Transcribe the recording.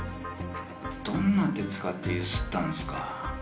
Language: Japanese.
どんな手使ってゆすったんすか。